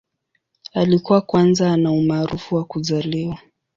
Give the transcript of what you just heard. Alikuwa kwanza ana umaarufu wa kuzaliwa.